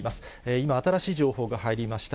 今、新しい情報が入りました。